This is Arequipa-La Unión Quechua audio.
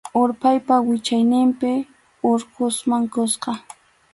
Urpaypa wichayninpi Urqusman kuska.